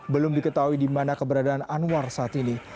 belum diketahui di mana keberadaan anwar saat ini